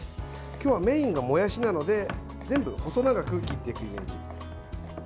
今日はメインがもやしなので全部細長く切っていくように。